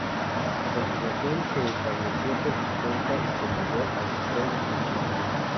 A continuación, se estableció por su cuenta y se mudó a Detroit, Míchigan.